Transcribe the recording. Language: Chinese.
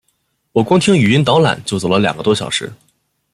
我光听语音导览就走了两个多小时